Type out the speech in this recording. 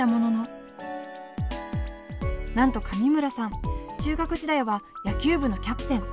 なんと上村さん中学時代は野球部のキャプテン！